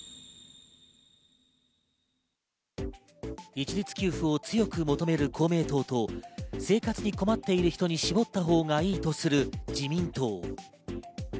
一律給付を強く求める公明党と、生活に困っている人に絞ったほうがいいとする自民党。